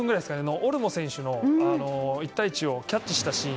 オルモ選手の１対１をキャッチしたシーン。